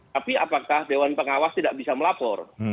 tapi apakah dewan pengawas tidak bisa melapor